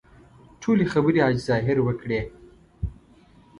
ټولې خبرې حاجي ظاهر وکړې.